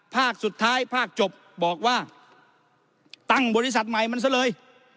ภาคสุดท้ายภาคจบบอกว่าตั้งบริษัทใหม่มันซะเลย